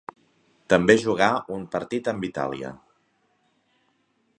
També jugà un partit amb Itàlia.